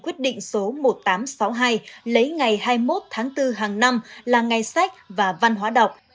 quyết định số một nghìn tám trăm sáu mươi hai lấy ngày hai mươi một tháng bốn hàng năm là ngày sách và văn hóa đọc